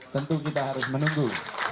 tentu kita harus menunggu